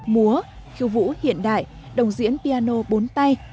múa khiêu vũ hiện đại đồng diễn piano bốn tay